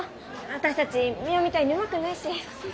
私たちミワみたいにうまくないし。